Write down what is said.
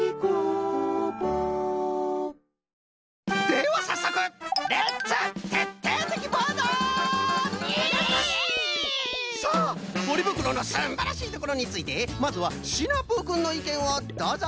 ではさっそくレッツイエイイエイ！さあポリぶくろのすんばらしいところについてまずはシナプーくんのいけんをどうぞ。